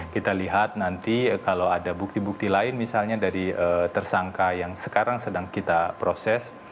kita lihat nanti kalau ada bukti bukti lain misalnya dari tersangka yang sekarang sedang kita proses